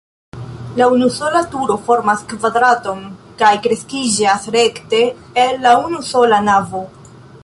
La unusola turo formas kvadraton kaj kreskiĝas rekte el la unusola navo.